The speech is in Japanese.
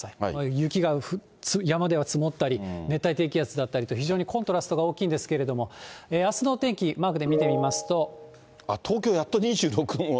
雪が山では積もったり、熱帯低気圧だったりと、非常にコントラストが大きいんですけれども、あすの天気、東京、はい。